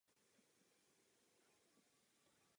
K osamoceně žijícím samcům se lze přiblížit mnohem snáze.